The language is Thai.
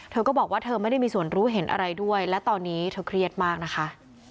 เธอก็บอกว่าเธอไม่ได้มีส่วนรู้เห็นอะไรด้วยและตอนนี้เธอเครียดมากนะคะ